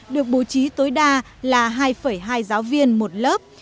được bố trí tối đa là hai hai giáo viên một lớp